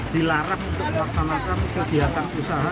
dilarang untuk melaksanakan kegiatan usaha